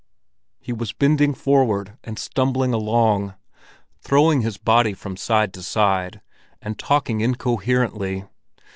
He was bending forward and stumbling along, throwing his body from side to side and talking incoherently.